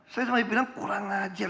saya sama ibu bilang kurang ajar